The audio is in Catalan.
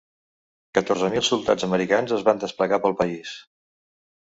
Catorze mil soldats americans es van desplegar pel país.